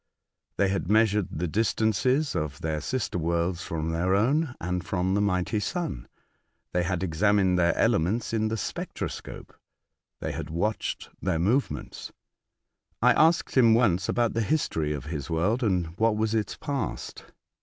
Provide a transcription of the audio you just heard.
They had measured the distances of their sister worlds from their own, and from the mighty Sun ; they had examined their elements in the spectroscope, they had watched their movements. I asked him once about the history of his world, and what was its past.